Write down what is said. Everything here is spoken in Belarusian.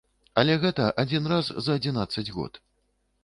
Але гэта адзін раз за адзінаццаць год.